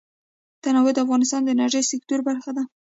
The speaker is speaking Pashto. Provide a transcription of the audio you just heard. تنوع د افغانستان د انرژۍ سکتور برخه ده.